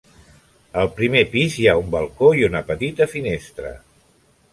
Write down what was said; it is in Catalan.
Al primer pis hi ha un balcó i una petita finestra.